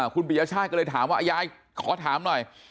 คุณปียชาติก็เลยถามว่ายายขอถามหน่อย